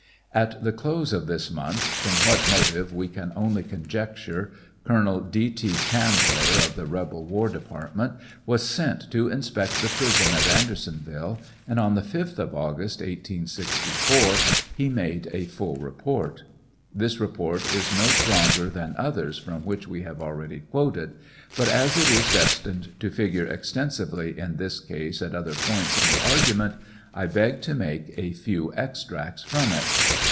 At the close of this month, from what motive we can only conjecture. Colonel D. T. Chandler, of the rebel war department, was sent to inspect the prison at Andersonville, and on the 5th of August, 1864, he made a full report. This report is no stronger than others from which we have already quoted, but as it is destined to figure extensively in this case at other points in the argument, 1 beg to make a few extracts from it.